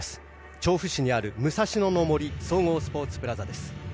調布市にある、武蔵野の森総合スポーツプラザです。